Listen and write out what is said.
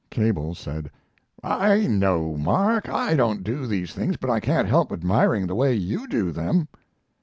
Cable said, "I know, Mark, I don't do these things, but I can't help admiring the way you do them."